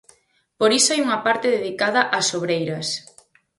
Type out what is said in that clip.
Por iso hai unha parte dedicada ás obreiras.